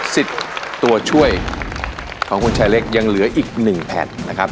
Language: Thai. ตัวช่วยของคุณชายเล็กยังเหลืออีกหนึ่งแผ่นนะครับ